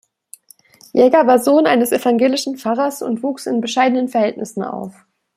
Jaeger war Sohn eines evangelischen Pfarrers und wuchs in bescheidenen Verhältnissen auf.